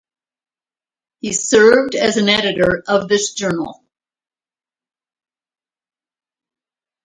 He served as an editor of this journal.